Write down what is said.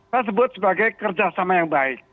saya sebut sebagai kerjasama yang baik